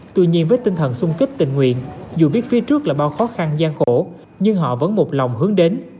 tuy nhiên với tinh thần sung kích tình nguyện dù biết phía trước là bao khó khăn gian khổ nhưng họ vẫn một lòng hướng đến